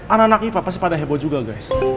anak anak ini pasti pada heboh juga guys